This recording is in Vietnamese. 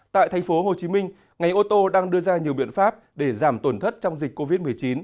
tại thành phố hồ chí minh ngành ô tô đang đưa ra nhiều biện pháp để giảm tổn thất trong dịch covid một mươi chín